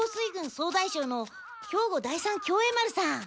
総大将の兵庫第三協栄丸さん。